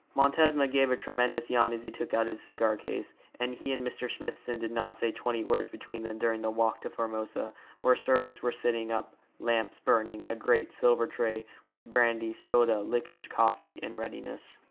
Montesma gave a tremendous yawn as he took out his cigar case, and he and Mr. Smithson did not say twenty words between them during the walk to Formosa, where servants were sitting up, lamps burning, a great silver tray, with brandy, soda, liqueurs, coffee, in readiness.